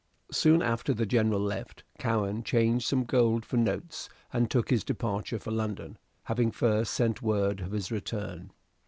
Soon after the General left, Cowen changed some gold for notes, and took his departure for London, having first sent word of his return.